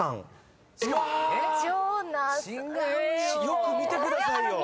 よく見てくださいよ。